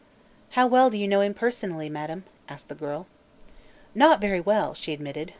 "How well do you know him personally, madam?" asked the girl. "Not very well," she admitted.